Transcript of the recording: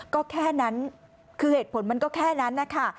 ก็แค่นั้นคือเหตุผลมันก็แค่นั้นนะคะ